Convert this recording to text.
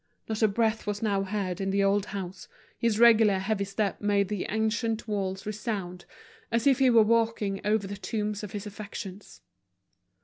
Not a breath was now heard in the old house, his regular heavy step made the ancient walls resound, as if he were walking over the tombs of his affections.